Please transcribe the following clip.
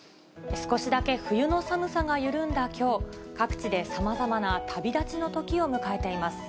少しだけ冬の寒さが緩んだきょう、各地でさまざまな旅立ちのときを迎えています。